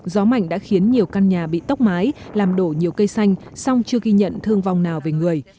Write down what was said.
gió mạnh đã khiến nhiều căn nhà bị tốc mái làm đổ nhiều cây xanh song chưa ghi nhận thương vong nào về người